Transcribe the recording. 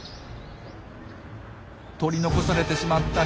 取り残されてしまったヒナ。